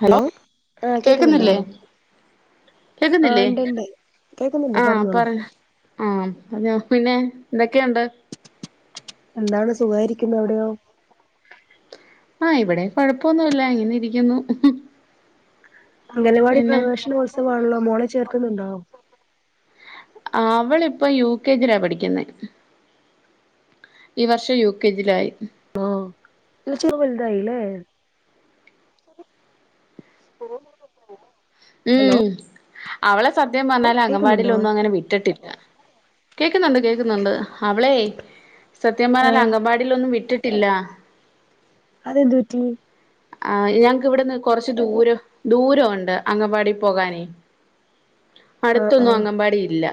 Hello ആഹ് കേക്കുന്നുണ്ടോ കേക്കുന്നില്ലേ ആഹ് കേക്കുന്നില്ലേ ഇണ്ട് ഇണ്ട് കേക്കുന്നുണ്ട് ആ പറഞ്ഞോളൂ പറഞ്ഞോ ആം അതെ പിന്നെ എന്തൊക്കെയുണ്ട് എന്താണ് സുഖാഴിരിക്കുന്ന് അവടെയോ ആ ഇവടേം കോഴപ്പൊന്നുല്ല ഇങ്ങനെ ഇരിക്കുന്നു അംഗലവാടി പിന്നെ പ്രവേശനോത്സവാണല്ലോ മോളെ ചേർക്ക്ണ് ണ്ടോ അവളിപ്പോ യു കെ ജി ലാ പഠിക്കുന്നേ ഈ വർഷം യു കെ ജിലായി ഇ [unintelligible] വൽതായി ലെ ഉം ഹലോ അവളെ സത്യം പർഞ്ഞാല് അങ്കൻവാടില് കേക്കുന്നുണ്ടോ ഒന്നും അങ്ങനെ വിട്ടിട്ടിൽ കേക്കുന്നുണ്ട്, കേക്കുന്നുണ്ട് അവളെ സത്യം പർഞ്ഞ ആഹ് അങ്കം വാ ഇതിലൊന്നും വിട്ടിട്ടില്ല. അതെന്തു പറ്റി ആ ഞങ്ങക്ക് ഇവ്ട്ന്ന് കൊർച്ച് ദൂരം ദൂരൊണ്ട് അംഗവാടി പോകാനെ. ആഹ് അട്ത്തൊന്നും ആഹ് അംഗം വാടി ഇല്ല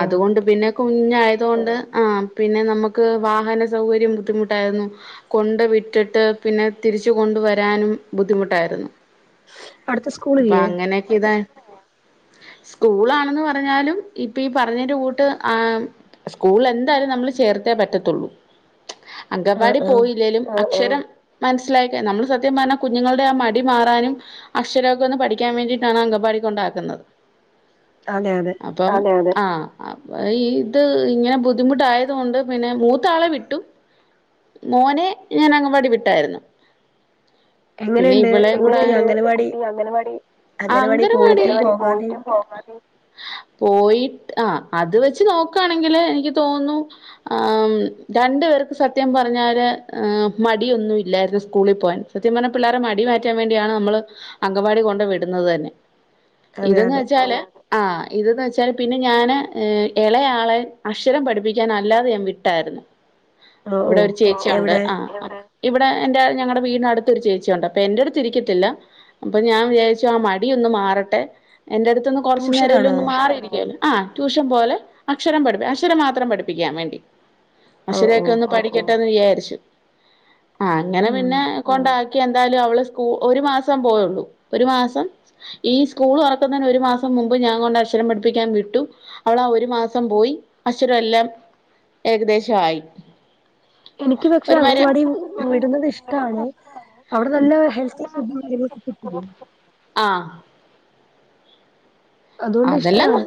ആഹ് കൊണ്ട് പിന്നെ കുഞ്ഞായതോണ്ട് ആ പിന്നെ നമ്മക്ക് വാഹനസൗകര്യം ബുദ്ധിമുട്ടായിരുന്നു. കൊണ്ട് വിട്ട്ട്ട് പിന്നെ തിരിച്ച് കൊണ്ട് വരാനും ബുദ്ധിമുട്ടായിരുന്നു അടുത്ത അപ്പൊ സ്കൂളില്ലേ അങ്ങനെയൊക്കെ ഇതാ [inaudible] സ്കൂളാണെന്ന് പറഞ്ഞാലും ഇപ്പൊ ഈ പറഞ്ഞെന്റെ കൂട്ട് ആ സ്കൂൾല് എന്തായാലും നമ്മള് ചേർത്തേ പറ്റത്തൊള്ളൂ. [inaudible] അങ്കംവാടി ആഹ് പോയില്ലെലും അക്ഷരം മൻസ്സിലാകെ നമ്മള് സത്യം പർഞ്ഞാ കുഞ്ഞുങ്ങൾടെ ആ മടി മാറാനും അക്ഷരോക്ക ഒന്ന് പഠിക്കാൻ വേണ്ടിട്ടാണ് അങ്കംവാടി കൊണ്ടാക്കുന്നത്. അതെ, അതെ അപ്പൊ ആ ഈ ഇത് ഇങ്ങനെ ബുദ്ധിമുട്ടായത് കൊണ്ട് പിന്നെ മൂത്താളെ വിട്ടു. [inaudible] മോനെ ഞാൻ അങ്ങൻവാടി വിട്ടായിരുന്നു. പിന്നെ എങ്ങനെയുണ്ട് ഇവളേം കൂടെ കുട്ടി അംഗനവാടി അംഗനവാടി അംഗനവാടി പോയിട്ടും പോകാതെയും പോയിട്ട് ആ അത് വെച്ച് നോക്കാണെങ്കില് എനിക്ക് തോന്നു ആം രണ്ട് പേർക്ക് സത്യം പർഞ്ഞാല് മടിയൊന്നു ഇല്ലായിരുന്നു സ്കൂളി പോവാൻ. സത്യം പർഞ്ഞ പിള്ളാരെ മടിമാറ്റാൻ വേണ്ടിയാണ് നമ്മള് അങ്കം വാടി കൊണ്ട് വിടുന്നത് തന്നെ. അതെ ഇതെന്ന് അതെ വെച്ചാല് ആ ഇതന്ന് വെച്ചാല് പിന്നെ ഞാന് ഏ എളെ ആളെ അക്ഷരം പഠിപ്പിക്കാൻ അല്ലാതെ ഞാൻ വി ട്ടായിരുന്നു ഓ ഓ ഇവടെ ഒരുചേച്ചി ഉണ്ട് എവിടെ ആ ഇവടെ എന്റെ ഞങ്ങടെ വീടിനട് ത്ത് ഒര് ചേച്ചിയൊണ്ട് അപ്പ എന്റെ അടുത്ത് ഇരിക്കത്തില്ല. അപ്പൊ ഞാൻ വിചാരിച്ചു ആ മടിയൊന്ന് മാറട്ടെ എന്റെടുത്ത്ന്ന് കൊർച്ച് ട്യൂഷനാണോ നെരെലോന്ന് മാറിയിരിക്കല്ലോ ആ ട്യൂഷൻപോലെ അക്ഷരം പഠിപ്പ് അക്ഷരം മാത്രം പഠിപ്പിക്കാൻ വേണ്ടി. ഓ അക്ഷരെ ഓ ഒക്കെ ഒന്ന് പഠിക്കട്ടെന്ന് വിയാര്ച്ചു ആ അങ്ങനെ ഉം പിന്നെ കൊണ്ടാക്കി എന്തായാലും അവള് സ്കൂ ഒരുമാസം പോയൊള്ളൂ ഒരു മാസം ഈ സ്കൂൾ തൊർക്കുന്നതിന് ഒരു മാസംമുമ്പ് ഞാൻകൊണ്ട് അക്ഷരം പഠിപ്പിക്കാൻ വിട്ടു. അവളാ ഒരുമാസം പോയി അക്ഷരം എല്ലാം ഏകദേശം ആയി. എനിക്ക് പക്ഷെ എനിക്ക് അങ്കണവാടി വിടുന്നത് ഇഷ്ട്ടാണ്. അവിടെ ന്നല്ല ഹെൽത്തി ഫുഡും കാര്യങ്ങളൊക്കെകിട്ടും. ആഹ് അതുകൊണ്ട് അതെല്ലാംന്ന് ഇഷ്ടാണ്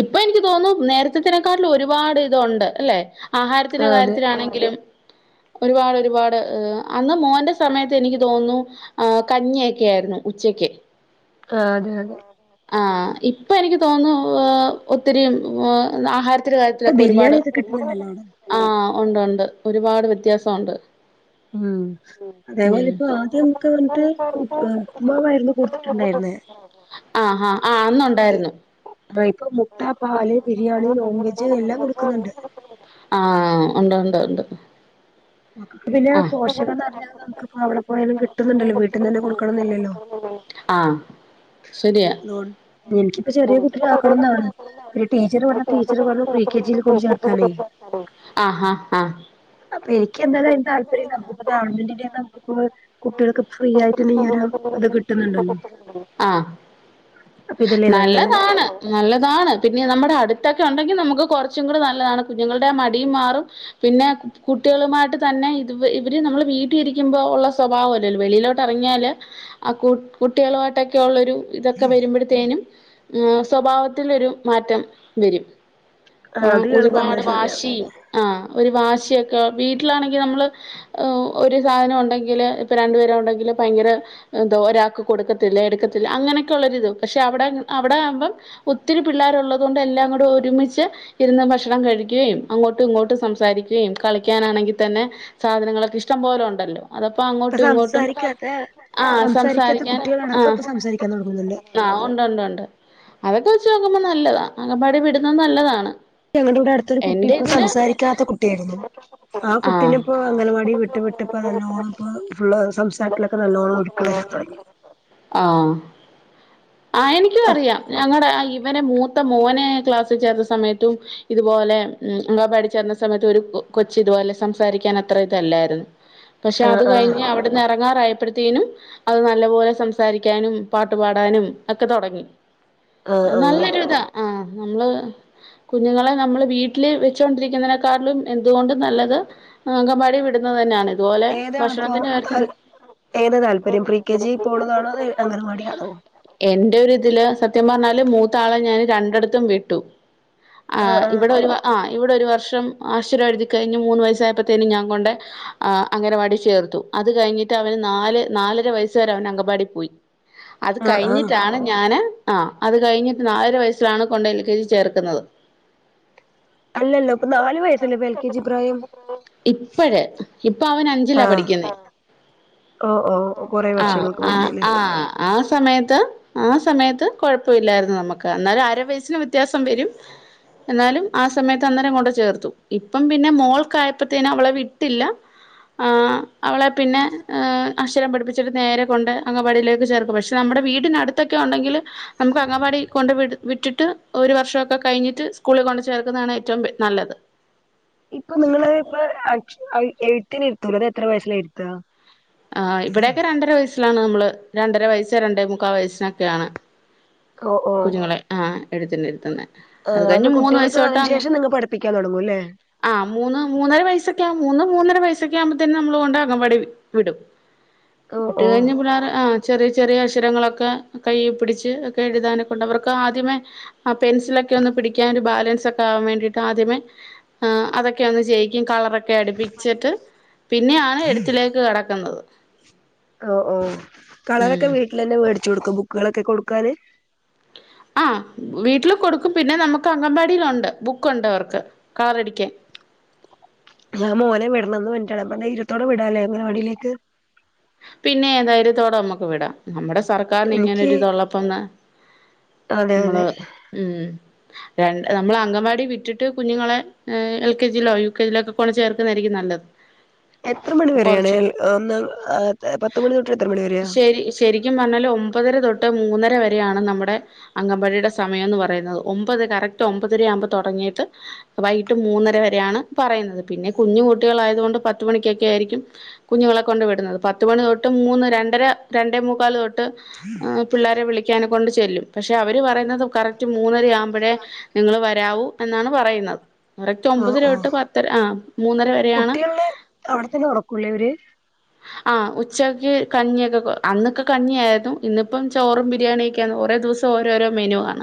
ഇപ്പൊ എനിക്ക് തോന്നുന്നു നേര്ത്തെനെക്കാട്ടിലും ഒരുപാട് ഇതുണ്ട് അല്ലെ? ആഹാരത്തിന്റെ ആ അതെ കാര്യത്തിലാണെങ്കിലും ഒരുപാട്, ഒരുപാട് അന്ന് മോന്റെ സമയത്ത്എനിക്ക് തോന്നുന്നു ഹ് കഞ്ഞിയൊക്കെആയിരുന്നു ഉച്ചെക്ക്. ആഹ് അതെ, അതെ ആ ഇപ്പൊഎനിക്ക് തോന്നുന്നു. ഒത്തിരി വോ ആഹാരം ത്തിരി ഇപ്പൊ കാര്യത്തിലൊക്കെ ഒരുപാട് ബിരിയാണി ഒക്കെ കിട്ടുന്നുണ്ടല്ലോ അവിടെ ആഹ് ഒണ്ട്, ഒണ്ട് ഒരുപാട് വ്യത്യാസംഒണ്ട്. ഉം അതേപോലെ ഉം, ഇപ്പൊ ആദ്യം ഉം നമുക്ക് വന്നിട്ട് ഉപ്പുമാവായിരുന്നു കൊടുത്തിട്ടുണ്ടായിരുന്നേ അ അഹാ ആഹ് അന്നൊണ്ടായിര്ന്നു. ഇപ്പൊ മുട്ട പാല് ബിരിയാണി നോൺ വെജ് എല്ലാം കൊടുക്കുന്നുണ്ട് ആഹ ഉണ്ട് ഉണ്ട് ഉണ്ട് നമുക്ക് പിന്നെ ആ പോഷകം നിറഞ്ഞാൽ നമുക്ക്പ്പൊ അവിടെ പോയാലും കിട്ടുന്നുണ്ടല്ലോ വീട്ടിൽ നിന്ന് തന്നെ കൊടുക്കണം എന്നില്ലല്ലോ ആഹ്. ശരിയാ എനിക്കിപ്പ ചെറിയ കുട്ടിയെ ആക്കണം എന്നാണ് പിന്നെ ടീച്ചർ പ ടീച്ചർ പറഞ്ഞു പ്രീ കെജില് കൊണ്ട് ചേർക്കാനെയ്യ് ആഹ് ഹ ഹ. ഇക്ക് എന്തായാലും അതിന് താല്പര്യല്ല നമുക്കിപ്പോ ഗവൺമെന്റിന്റെ കുട്ടികൾക്ക് ഫ്രീയായിട്ടിയൊരു ഇത് കിട്ടുന്നുണ്ടല്ലോ ആഹ് അപ്പൊ ഇതല്ലേ നല്ലത് നല്ലതാണ്. നല്ലതാണ് പിന്നെ നമ്മുടെ അടുത്തൊക്കെ ഉണ്ടെങ്കിൽ നമുക്ക് കുറച്ചുംകൂടെ നല്ലതാണ് കുഞ്ഞുങ്ങളുടെ മടിയും മാറും പിന്നെ കുട്ടികളുമായിട്ട് തന്നെ ഇ ഇവര് നമ്മള് വീട്ടിൽ ഇരിക്കുമ്പോ ഉള്ള സ്വഭാവം അല്ലല്ലോ വെളിയിലോട്ട് പറഞ്ഞാല് ആ കു കുട്ടികളായിട്ടൊക്കെള്ളൊരു. ഇതൊക്കെ വരുമ്പഴത്തേനും സ്വഭാവത്തിലൊരു മാറ്റം വരും. ആ, ആഹ് അത് ഇയാള് ഒരുപാട് പറഞ്ഞത് ശരിയാണ് വാശി. ആഹ് ഒരു വാശിയൊക്കെ വീട്ടിലാണെങ്കിൽ നമ്മള്. ഒഹ് ഒരു സാധനം ഉണ്ടെങ്കില് ഇപ്പൊ രണ്ടു പേരൊണ്ടങ്കില് ഭയങ്കര എന്തോ ഒരാക്ക് കൊടുക്കത്തില്ല എടുക്കത്തില്ല അങ്ങനെയൊക്കെളൊരുത് പക്ഷെ അവിടെ അവിടെ ആവുമ്പം. ഒത്തിരി പിള്ളാരുള്ളതോണ്ട് എല്ലാംകൂടെ ഒരുമിച്ച്. ഇരുന്ന് ഭക്ഷണം കഴിക്കുകയും അങ്ങോട്ടും ഇങ്ങോട്ടും സംസാരിക്കുകയും കളിക്കാനാണെങ്കിൽ തന്നെ. സാധനങ്ങളൊക്കെ ഇഷ്ടംപോലെ ഉണ്ടല്ലോ. അത്പ്പോ ഇപ്പൊ അങ്ങോട്ടും ഇങ്ങോട്ടും സംസാരിക്കാത്ത ആഹ് സംസാരിക്കാത്ത സംസാരിക്കാൻ കുട്ടികളടക്കം ആഹ്. [inaudible] ആഹ് ഉണ്ട് ഉണ്ട് ഉണ്ട് അതൊക്കെ വെച്ച് നോക്കുമ്പോ നല്ലതാ അങ്ങമ്പാടി വിടുന്നത് നല്ലതാണ്. ഞങ്ങടെവിടെ അടുത്തൊരു കുട്ടി എന്റെ ഇപ്പൊ ഇതില് സംസാരിക്കാത്ത കുട്ടിയായിരുന്നു. ആ കുട്ടിനെ ആഹ് ഇപ്പൊ അംഗൻവാടി വിട്ട് വിട്ട് ഇപ്പ നല്ലോണ്ണം ഇപ്പൊ ഫുള്ള് സംസാരത്തിലൊക്കെ നല്ലോണ്ണം കര തുടി [unintelligible] ആഹ്. ആഹ് എനിക്കും അറിയാം ഞങ്ങടെ ആ ഇവനെ മൂത്ത മോനെ ക്ലാസ്സിൽ ചേർത്ത സമയത്തും. ഇതുപോലെ ഞാൻ പഠിച്ചേർന്ന സമയത്ത് ഒരു കൊച്ച് ഇതുപോലെ സംസാരിക്കാൻ അത്ര ഇതല്ലായിരു [inaudible] പക്ഷെ അത് കഴിഞ്ഞ് ആഹ് അവിടുന്ന് എറങ്ങാറായപ്പതീനും അത് നല്ലപോലെ സംസാരിക്കാനും പ ട്ട്പാടാനും ഒക്കെ തോടങ്ങി ആഹ് നല്ലൊരു ഇതാ ആഹ് നല്ലേ കുഞ്ഞുങ്ങളെ നമ്മള് വീട്ടില് വെച്ചോണ്ടിരിക്കുന്നതിനേക്കാട്ടിലും എന്തുകൊണ്ടും നല്ലത് അംഗൻവാടി വിടുന്നത് തന്നെണ് ഇതുപോലെ ഭക്ഷണത്തിന്റെ കാര്യത്തി ഏത് താല്പര്യം പ്രീ കെജി പോണതാണോ അതാ അംഗൻ വടിയാണോ? എന്റെ ഒരു ഇതില് സത്യം പർഞ്ഞാല് മൂത്താളെ ഞാന് രണ്ടിടത്തും വിട്ടു ആഹ് ഇവടെ ഒരു ആഹ് ഇവടെ ഒരു വർഷം അക്ഷരം എഴുതി കഴിഞ്ഞ് മൂന്ന് വയസായപ്പത്തേനും ഞാൻ കൊണ്ടേ ആഹ് അംഗനവാടി ചേർത്തു അത് കഴിഞ്ഞിട്ട് അവന് നാല് നാലര വയസ്സ് വരെ അവന് അംഗനവാടി പോയി അത് ആഹ് ആഹ് കഴിഞ്ഞിട്ടാണ് ഞാന് ആഹ് അത് കഴിഞ്ഞിട്ട് നാലര വയസ്സിലാണ് കൊണ്ടോയി എൽ കെജി ചേർക്കുന്നത് അല്ലല്ല ഇപ്പ നാല് വയസ്സല്ലേ ഇപ്പൊ എൽ കെ ജി പ്രായം. ഇപ്പഴ് ഇപ്പ അവൻ അഞ്ചിലാ ആഹ് പഠിക്കുന്നെ ഓ ഓ കൊറേ ആഹ് വർഷങ്ങൾക്ക് ആഹ് മുന്നേല്ലേ ആഹ് ആഹ് സമയത്ത് ആഹ് സമയത്ത് കൊഴപ്പല്ലായിരുന്നു നമ്മക്ക് എന്നാലും അര വയസ്സിന് വ്യത്യാസം വെരും എന്നാലും ആഹ് സമയത്തന്നേരം കൊണ്ട് ചേർത്തു ഇപ്പം പിന്നെ മോൾക്കായപ്പത്തേനും അവളെ വിട്ടില്ല ആഹ് അവളെ പിന്നെ അക്ഷരം പഠിപ്പിച്ചിട്ട് നേരെ കൊണ്ട് അംഗവാടില് ചേർ പക്ഷെ നമ്മടെ വീടിനടുത്തൊക്കെ ഉണ്ടെങ്കില് നമ്മക്ക് അംഗനവാടി കൊണ്ട് വിട് വിട്ടിട്ട് ഒരു വർഷോക്കെ കഴിഞ്ഞിട്ട് സ്കൂളിൽ കൊണ്ട് ചേർക്കുന്നതാണ് ഏറ്റവും നല്ലത്. ഇപ്പൊ നിങ്ങള് ഇപ്പ അക്ഷ എയ്ത്തിന് ഇരുത്തൂല്ലൂ അത് എത്ര വയസ്സിലാ ഇരുത്ത ആഹ് ഇവിടെക്കെ രണ്ടര വയസ്സിലാണ് നമ്മള് രണ്ടര വയസ്സ് രണ്ടേ മുക്കാ വയസ്സിനൊക്കെണ് ഓ ഓ കുഞ്ഞുങ്ങളെ ആഹ് എഴുത്തിന് ഇരുത്തുന്നെ ആഹ് അത് കഴിഞ്ഞ് മൂന്ന് വയസ്സ് കുട്ടികൾക്ക് തൊട്ട് അതിനു അങ്ങ് ശേഷം നിങ്ങള് പഠിപ്പിക്കാൻ തോടങ്ങും അല്ലേ? ആഹ് മൂന്ന് മൂന്നര വയസോക്കെ മൂന്ന് മൂന്നര വയസോക്കെ ആവുമ്പോതിന് നമ്മള് കൊണ്ട് അംഗൻവാടിൽ വിടും ഓ വിട്ട് ഓ കഴിഞ്ഞ് പിള്ളേര് ആഹ് ചെറിയ ചെറിയ അക്ഷരങ്ങളൊക്കെ കൈയ്യി പിടിച്ച്‌ ഒക്കെ എഴുതാനെക്കൊണ്ട് അവർക്ക് ആദ്യമേ ആഹ് പെൻസിലൊക്കെ ഒന്ന് പിടിക്കാൻ ഒരു ബാലൻസ് ഒക്കെ ആവാൻ വേണ്ടിട്ട് ആദ്യമേ ആഹ് അതൊക്കെ ഒന്ന് ചെയ്യിക്കും കളർ ക്കെ അടുപ്പിച്ചിട്ട് പിന്നെയാണ് എയ്തിലേക്ക് കടക്കുന്നത് ആഹ് ആഹ് ഉം കളറൊക്കെ വീട്ടിലെന്നെ മേടിച്ചൊടുക്കോ ബുക്ക്ലോക്കെ കൊടുക്കാന് ആഹ് വീട്ടിൽ കൊടുക്കും പിന്നെ നമ്മക്ക് അംഗൻവാടീലൊണ്ട് ബുക്കൊണ്ട് അവർക്ക് കളറടിക്കാൻ ഞാൻ മോനെ വിടണന്ന് വേണ്ടിട്ടാണ് ധൈരത്തോടെ വിടാലെ അംഗനവാടിലേക്ക് പിന്നെ ധൈര്യത്തോടെ നമ്മക്ക് വിടാ നമ്മടെ സർക്കാറ് എനിക്ക് ഇങ്ങനൊരു ഇതൊള്ളപ്പന്ന് അതെ മ്മളെ അതെ ഉം രണ്ട് നമ്മള് അംഗനവാടി വിട്ടിട്ട് കുഞ്ഞുങ്ങളെ എൽ കെ ജിയിലോ യുകെ ജിയിലോ ഒക്കെ കൊണ്ട് ചേർക്കുന്നതായിരിക്കും നല്ലത്. എത്ര അപ്പൊ മണിവരെണ് കൊറച്ച് ഒന്ന് അ പത്ത് മണി തൊട്ട് എത്രമണി വരേയ ശെരിക്കും പർഞ്ഞാല് ഒമ്പതര തൊട്ട് മൂന്നര വരെയാണ് നമ്മടെ അംഗവാടിയുടെ സമയംന്ന് പറയുന്നത് ഒമ്പത് കറക്റ്റ് ഒമ്പതര ആവുമ്പോ തൊടങ്ങീട്ട് വൈകീട്ട് മൂന്നര വരെയാണ് പറയുന്നത് പിന്നെ കുഞ്ഞു കുട്ടികൾ ആയതോണ്ട് പത്തുമണിക്കൊക്കെ ആയിരിക്കും കുഞ്ഞുങ്ങളെ കൊണ്ട് വിടുന്നത് പത്ത് മണി തൊട്ട് മൂന്നര, രണ്ടര രണ്ടേമൂക്കാല് തൊട്ട് പിള്ളേരെ വിളിക്കാനോക്കെ കൊണ്ട് ചെല്ലും പക്ഷെ അവര് പറയുന്നത് കറക്റ്റ് മൂന്നര ആവുമ്പഴേ നിങ്ങള് വരാവൂ എന്നാണ് പറയുന്നത് കറക്റ്റ് ഓ ഒമ്പതര ഓ തൊട്ട് പത്തര ആഹ് മൂന്നര വരെയാണ് അവടത്തന്നെ ഒറക്കുല്ലേ ഇവര് ആഹ് ഉച്ചയ്ക്ക് കഞ്ഞിയൊക്കെ അന്നൊക്കെ കഞ്ഞിയായിരുന്നു ഇന്നിപ്പം ചോറും ബിരിയാണിയെക്കെയാണ് ഒരേ ദിവസം ഓരോരോ മെനു ആ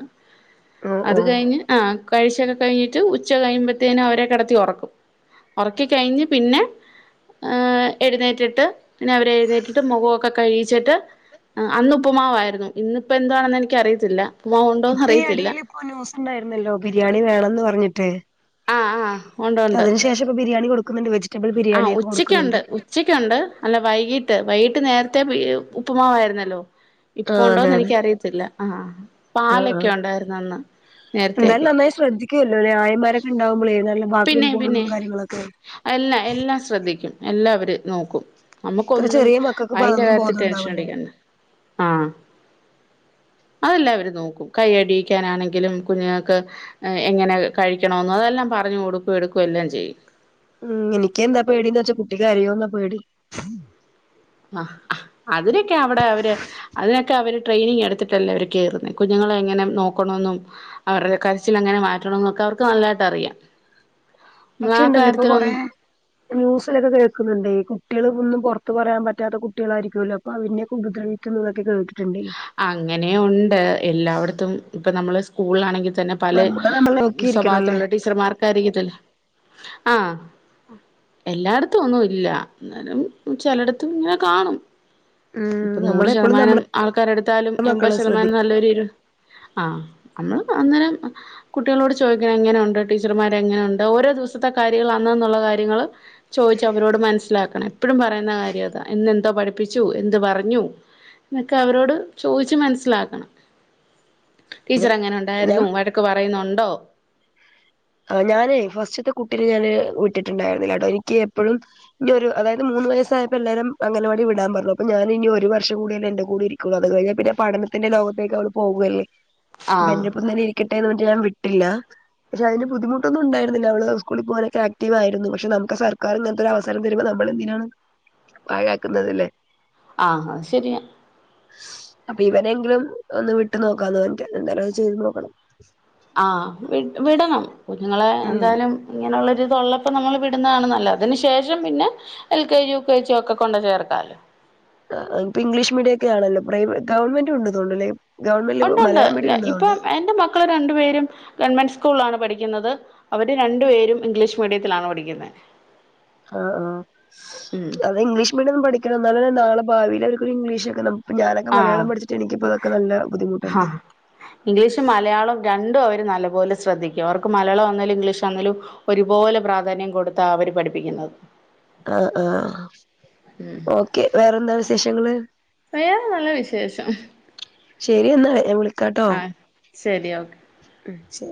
ഓ അത് ഓ കഴിഞ്ഞ് ആഹ് കഴിച്ചൊക്കെ കഴിഞ്ഞിട്ട് ഉച്ച കഴിയുമ്പത്തെനും അവരെ കെടത്തി ഒറക്കും. ഒറക്കിക്കഴിഞ്ഞ് പിന്നെ ആഹ് എഴുന്നേറ്റിട്ട് പിന്നെ അവരെ എഴുന്നേറ്റിട്ട് മുഖോക്കെ കഴികിച്ചട്ട് അഹ് അന്ന് ഉപ്പ്മാവായിരുന്നു ഇന്നിപ്പ എന്തുവാണെന്ന് എനിക്കറിയത്തില്ല. ഉപ്പുമാവ് ഉണ്ടോന്ന് ഇപ്പ ഈ അറിയത്തില്ല എടീൽ ഇപ്പൊ ന്യൂസ് ഇണ്ടായിരുന്നല്ലോ ബിരിയാണി വേണന്ന് പറഞ്ഞിട്ട് ആഹ് ആഹ് ഉണ്ട് ഉണ്ട് അതിന് ശേഷം ഇപ്പ ബിരിയാണി കൊടുക്കുന്നുണ്ട് വെജിറ്റബിൾ ബിരിയാണിയൊക്കെ കൊടുക്കുന്നുണ്ട്. ഉച്ചയ്ക്കൊണ്ട് അല്ല വൈകീട്ട് വൈകിട്ട് നേരത്തെ ഉപ്പുമാവാരുന്നല്ലോ ഇപ്പൊ ആഹ് അതെ ഒണ്ടോന്ന് അതെ എനിക്കറിയത്തില്ല ആഹ് ആഹ് പാലൊക്കെ ആഹ് ഒണ്ടായിരുന്ന് അന്ന് നേരത്തേക്കെ. ശ്രദ്ധിക്കുവല്ലോലെ ആയമാരൊക്കെ ഇണ്ടാവുമ്പളേ നല്ല ബാത്റൂം പോവുമ്പോള്ള കാര്യങ്ങളൊക്കെ. എല്ലാ എല്ലാം ശ്രദ്ധിക്കും എല്ലാ അവര് നോക്കും. ഇത്ര നമ്മക്കൊന്നും ചെറിയ മക്കൾക്ക് ഇപ്പോ അയിന്റെ അതൊന്നും കാര്യത്തി ബോധം ടെൻഷൻ ഉണ്ടാവില്ലല്ലോ അടിക്കണ്ട ആഹ്. അതെല്ലാം അവര് നോക്കും കൈ അടിയിക്കാനാണെങ്കിലും കുഞ്ഞുങ്ങക്ക് അഹ് എങ്ങനെ കഴിക്കണോന്ന് അതെല്ലാം പറഞ്ഞു കൊടുക്കുവേം എടുക്കുവെല്ലാം ചെയ്യും. ഉം എനിക്ക് എന്താ പേടിന്ന് വെച്ചാ കുട്ടി കരയോന്നാ പേടി. അഹ് അതിനൊക്കെ അവിടെ അവര് അതിനൊക്കെ അവര് ട്രെയിനിങ് എടുത്തിട്ടല്ലേ അവര് കേറുന്നേ കുഞ്ഞുങ്ങളെ എങ്ങനെ നോക്കണോന്നും അവര്ടെ കരച്ചിലങ്ങനെ മാറ്റണോന്നൊക്കെ അവർക്ക് നല്ലായിട്ട് അറിയാം. മ്മളാ പക്ഷെ ഉണ്ടല്ലോ ഇപ്പൊ കൊറേ കാര്യത്തിലൊന്നും ന്യൂസിലൊക്കെ കേക്കുന്നുണ്ടേ ഈ കുട്ട്യോള് ഒന്നും പൊറത്ത് പറയാൻ പറ്റാത്ത കുട്ട്യോളായിരിക്കൂല്ലോ അപ്പൊ അവരിന്യൊക്കെ ഉപദ്രവിക്കുന്നൊള്ളതൊക്കെ കേട്ടിട്ടിണ്ടേ. അങ്ങനേയൊണ്ട് എല്ലാവടത്തും ഇപ്പ നമ്മള് സ്കൂളിലാണെങ്കെ തന്നെ പല നമ്മള് നമ്മളെ നോക്കിയിരിക്കണല്ലേ സ്വഭാവത്തിലെള്ള ടീച്ചർമ്മാർക്കായിരിക്കത്തില്ലെ ആഹ് എല്ലാടത്തും ഒന്നുവില്ല എന്നാലും ചെലടത്ത് ഇങ്ങനെ കാണും. ഉം ഇപ്പ നൂറ് നമ്മളെപ്പോഴും ശതമാനം നമ്മളെ ആൾക്കാരെടുത്താലും എമ്പത് മക്കളെ ശ്രദ്ധിക്ക ശതമാനം നല്ലേരൊരു ആഹ് അമ്മള് അന്നെരം കുട്ടികളോട് ചോദിക്കണം എങ്ങനൊണ്ട് ടീച്ചറ്മാര് എങ്ങനൊണ്ട് ഓരോ ദിവസത്തെ കാര്യങ്ങള് അന്നന്നൊള്ള കാര്യങ്ങള് ചോയ്ച്ചവരോട് മനസ്സിലാക്കണം എപ്പഴും പറയുന്ന കാര്യം അതാ ഇന്നെന്തോ പഠിപ്പിച്ചു എന്ത് പറഞ്ഞു എന്നൊക്കെ അവരോട് ചോദിച്ച് മനസ്സിലാക്കണം ടീച്ചറെങ്ങനെ ഞാൻ ഒണ്ടായിരുന്നു വഴ ക്ക്‌ പറയുന്നൊണ്ടോ ആഹ് ഞാനേ ഫസ്റ്റ്ത്തെ കുട്ടിനെ ഞാന് വിട്ടിട്ടിണ്ടായിരുന്നില്ലട്ടോ എനിക്ക് എപ്പഴും ഇനിയൊരു അതായത് മൂന്ന് വയസ്സായപ്പൊ എല്ലാരും അങ്ങനവാടീ വിടാൻ പറഞ്ഞു അപ്പൊ ഞാനിനി ഒരു വർഷം കൂടിയല്ലേ എന്റെ കൂടിരി ക്കുള്ളൂ അത് കഴിഞ്ഞാ പിന്നെ പഠനത്തിന്റെ ലോകത്തേക്ക് അവള് പോവ്വല്ലേ ആഹ് ബന്റൊപ്പം തന്നെ ഇരിക്കട്ടെന്ന് പറഞ്ഞട്ട് ഞാൻ വിട്ടില്ല പക്ഷെ അതിന് ബുദ്ധമുട്ടൊന്നും ഉണ്ടായ്രുന്നില്ല അവള് സ്കൂളി പോവാനൊക്കെ ആക്റ്റീവായിരുന്നു പക്ഷേ നമുക്ക്‌ സർക്കാരിങ്ങൻത്തൊരു അവ സരം വരുമ്പോ നമ്മളെന്തിനാണ് പാഴാക്കുന്നതില്ലേ ആഹ് അത് ശരിയാ അപ്പിവനെങ്കിലും ഒന്ന് വിട്ട് നോക്കാന്ന് പർഞ്ഞിട്ടെണ്ട് എന്തായാലും അത്‌ ചെയ്ത് നോക്കണം ആഹ് വി വിടണം കുഞ്ഞുങ്ങളെ ഉം എന്തായാലും ഇങ്ങനെയുള്ളൊരു ഇതൊള്ളപ്പം നമ്മള് വിടുന്നതാണ് നല്ലത് അതിന് ശേഷം പിന്നെ L K G, U K G ഒക്കെ കൊണ്ട് ചേർക്കാലോ ആഹ് ഇപ്പൊ ഇംഗ്ലീഷ് മീഡിയൊക്കെ ആണല്ലോ പ്രൈവ ഗവൺമെന്റും ഇണ്ട് തോണ്ടല്ലേ ഒണ്ടൊണ്ട് ഇപ്പം എന്റെ മക്കള് രണ്ടു പേരും ഗവൺമെന്റ് സ്കൂളിലാണ് പഠിക്കുന്നത് അവര് രണ്ടു പേരും ഇംഗ്ലീഷ് മീഡിയത്തിലാണ് പഠിക്കുന്നെ ആഹ് ആഹ് ഉം അത് ഇംഗ്ലീഷ് മീഡിയം പഠിക്കണം എന്നാലല്ലേ നാളെ ഭാവിയിൽ അവർക്കൊരു ഇംഗ്ലീഷക്കണം ഇപ്പൊ ഞാനൊക്കെ ആഹ് മലയാളം പഠിചിട്ട് എനിക്കിപ്പോതൊക്കെ നല്ല ബുദ്ധിമുട്ടുണ്ട് ആഹ് ഇംഗ്ലീഷും മലയാളം രണ്ടും അവര് നല്ലപോലെ ശ്രദ്ധിക്കും അവർക്ക് മലയാളം വന്നേലും ഇംഗ്ലീഷ് വന്നേലും ഒരുപോലെ പ്രാധാന്യം കൊടുത്താ അവര് പഠിപ്പിക്കുന്നത് ആഹ് ആഹ് ഉം ഓക്കെ വേറെന്താ വിശേഷങ്ങള് വേറെ നല്ല വിശേഷം ശരി എന്നാ ഞാൻ വിളിക്കാട്ടോ ആഹ് ശരി ഓക്കെ ഉം ശരി